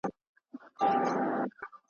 که سړه شپه اوږده سي .